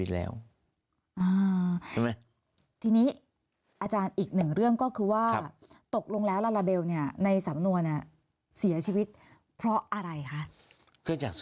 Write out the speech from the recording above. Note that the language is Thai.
แล้วที่นี่เขาก็ทำอย่างนี้นะครับ